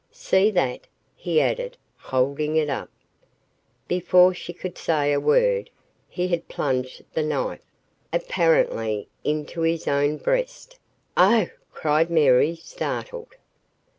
"See that?" he added, holding it up. Before she could say a word, he had plunged the knife, apparently, into his own breast. "Oh!" cried Mary, startled.